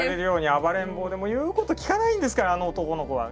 暴れん坊でもう言うこと聞かないんですからあの男の子は。